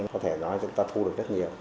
có thể nói chúng ta thu được rất nhiều